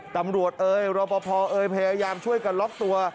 ตำรวจเอ๋ยรอบพอพอเอ๋ยพยายามช่วยกันล๊อคตัว